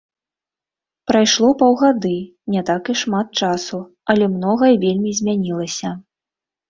Прайшло паўгады, не так і шмат часу, але многае вельмі змянілася.